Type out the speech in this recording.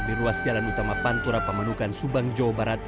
di ruas jalan utama pantura pemenukan subang jawa barat